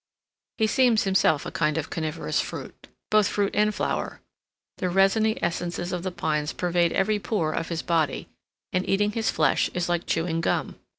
He seems himself a kind of coniferous fruit,—both fruit and flower. The resiny essences of the pines pervade every pore of his body, and eating his flesh is like chewing gum.